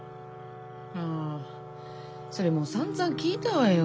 あそれもうさんざん聞いたわよ。